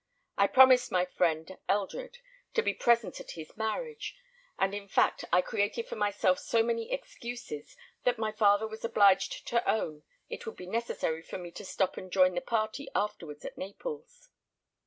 I promised my friend, Eldred, to be present at his marriage; and in fact, I created for myself so many excuses that my father was obliged to own it would be necessary for me to stop and join the party afterwards at Naples.